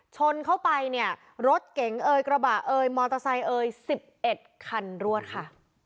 ชนเข้าไปเนี่ยรถเก๋งเอยกระบะเอ่ยมอเตอร์ไซค์เอ่ย๑๑คันรวดค่ะ